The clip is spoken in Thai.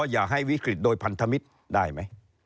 อย่าให้วิกฤตโดยพันธมิตรได้ไหม